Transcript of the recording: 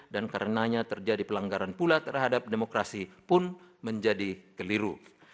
dan karenanya terjadi pelanggaran pula terhadap demokrasi pun menjadi keliru